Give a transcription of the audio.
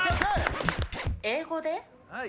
英語で？